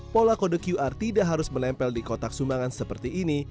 pola kode qr tidak harus menempel di kotak sumbangan seperti ini